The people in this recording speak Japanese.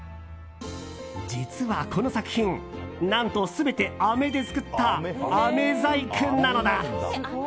実はこの作品、何と全てあめで作った、あめ細工なのだ。